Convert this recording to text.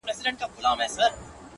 • هر شعر باید پیغام ولري -